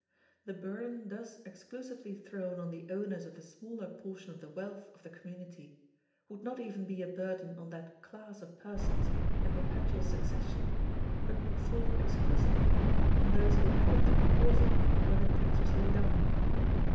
The burden thus exclusively thrown on the owners of the smaller portion of the wealth of the community would not even be a burden on that class of persons in perpetual succession, but would fall exclusively on those who happened to compose it when the tax was laid on.